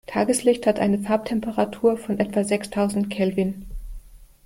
Tageslicht hat eine Farbtemperatur von etwa sechstausend Kelvin.